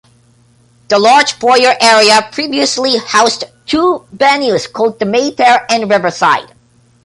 The large foyer area previously housed two venues called the Mayfair and Riverside.